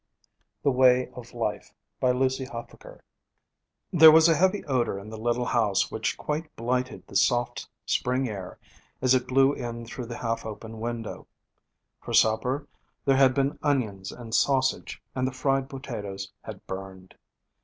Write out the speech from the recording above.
THE WAY OF LIFE BY LUCY HUFFAKER THERE was a heavy odor in the little house which quite blighted the soft spring air as it blew in through the half open window. For supper there had been onions and sausage, and the fried potatoes had burned.